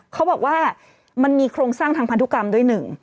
เขาบอกว่ามันมีโครงสร้างทางพันธุกรรมด้วยหนึ่ง